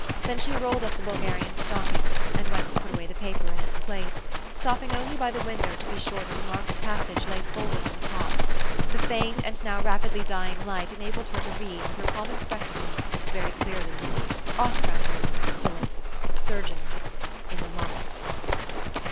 Then she rolled up the Bul garian stocking, and went to put away the paper in its place, stopping only by the window to be sure that the marked passage lay folded on the top. The faint and now rapidly dying light enabled her to read, with her common spectacles, very clearly, " Ostrander, Philip, surgeon: in the lungs."